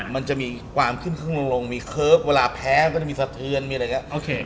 มันจะมีความขึ้นเครื่องลงมีเคิร์ฟเวลาแพ้มันก็จะมีสะเทือนมีอะไรอย่างนี้